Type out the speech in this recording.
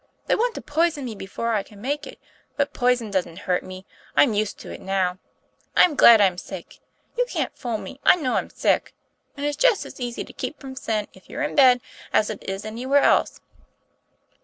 They want to poison me before I can make it. But poison doesn't hurt me. I'm used to it now. I'm glad I'm sick. You can't fool me; I know I'm sick; and it's just as easy to keep from sin if you're in bed as it is anywhere else.